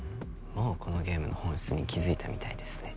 もうこのゲームの本質に気づいたみたいですね。